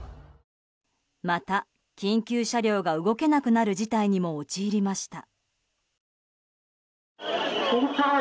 また、緊急車両が動けなくなる事態にも陥りました。